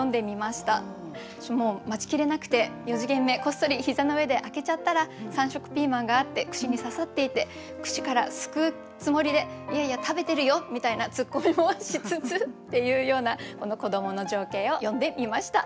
もう待ちきれなくて四時限目こっそり膝の上で開けちゃったら三色ピーマンがあって串に刺さっていて串から救うつもりでいやいや食べてるよみたいなつっこみもしつつっていうような子どもの情景を詠んでみました。